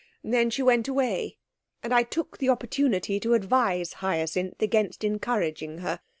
Then she went away; and I took the opportunity to advise Hyacinth against encouraging her.